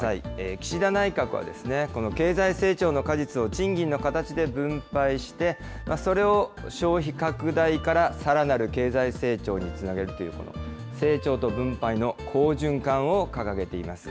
岸田内閣はこの経済成長の果実を賃金の形で分配して、それを消費拡大からさらなる経済成長につなげるという、成長と分配の好循環を掲げています。